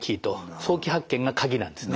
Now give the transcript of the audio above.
早期発見が鍵なんですね。